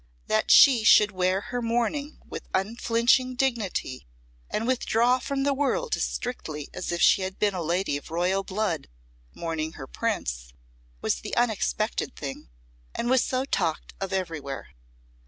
That she should wear her mourning with unflinching dignity and withdraw from the world as strictly as if she had been a lady of royal blood mourning her prince, was the unexpected thing, and so was talked of everywhere.